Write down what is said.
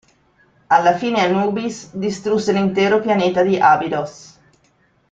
Alla fine Anubis distrusse l'intero pianeta di Abydos.